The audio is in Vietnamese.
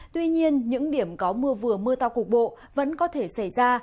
tuy nhiên những điểm có mưa vừa mưa to cục bộ vẫn có thể xảy ra